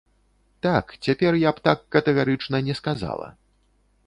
Так, цяпер я б так катэгарычна не сказала.